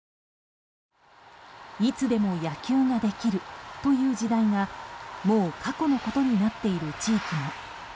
いつでも野球ができるという時代がもう過去のことになっている地域も。